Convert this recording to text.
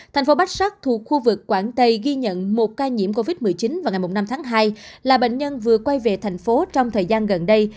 thành phố bách sắc thuộc khu vực quảng tây ghi nhận một ca nhiễm covid một mươi chín vào ngày năm tháng hai là bệnh nhân vừa quay về thành phố trong thời gian gần đây